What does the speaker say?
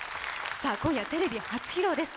今夜、テレビ初披露です。